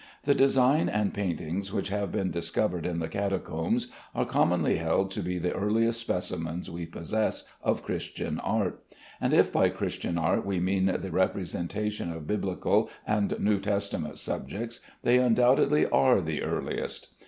The designs and paintings which have been discovered in the catacombs are commonly held to be the earliest specimens we possess of Christian art; and if by Christian art we mean the representation of Biblical and New Testament subjects, they undoubtedly are the earliest.